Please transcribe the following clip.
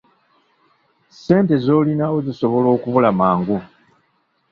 Ssente z'olinawo zisobola okubula mangu.